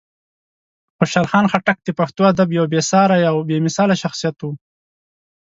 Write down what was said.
خوشحال خان خټک د پښتو ادب یو بېساری او بېمثاله شخصیت و.